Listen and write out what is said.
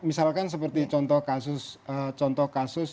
misalkan seperti contoh kasus